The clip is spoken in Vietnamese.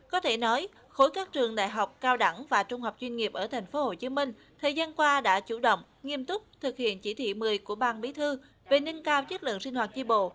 có thể nói khối các trường đại học cao đẳng và trung học chuyên nghiệp ở tp hcm thời gian qua đã chủ động nghiêm túc thực hiện chỉ thị một mươi của ban bí thư về nâng cao chất lượng sinh hoạt tri bộ